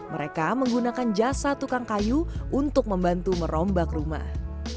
mereka menggunakan jasa tukang kayu untuk membantu merombak rumah